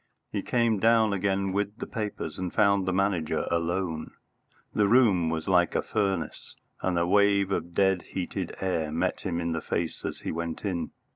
He came down again with the papers, and found the Manager alone. The room was like a furnace, and a wave of dead heated air met him in the face as he went in.